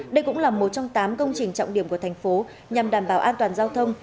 đây cũng là một trong tám công trình trọng điểm của thành phố nhằm đảm bảo an toàn giao thông